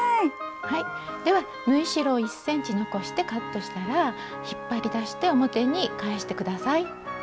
では縫い代１ｃｍ残してカットしたら引っ張り出して表に返して下さい。